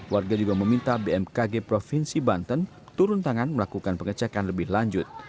warga juga meminta bmkg provinsi banten turun tangan melakukan pengecekan lebih lanjut